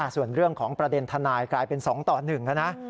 ส่วนเรื่องของประเด็นทนายกลายเป็น๒ต่อ๑แล้วนะ